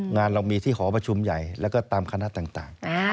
งานเรามีที่หอประชุมใหญ่แล้วก็ตามคณะต่าง